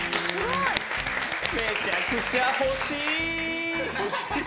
めちゃくちゃ欲しい！